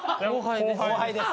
後輩です。